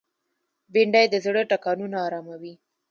بېنډۍ د زړه ټکانونه آراموي